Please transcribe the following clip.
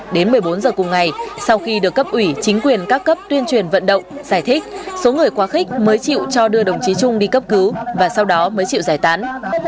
đến một mươi bốn giờ cùng ngày sau khi được cấp ủy chính quyền các cấp tuyên truyền vận động giải thích số người quá khích mới chịu cho đưa đồng chí trung đi cấp cứu và sau đó mới chịu giải tán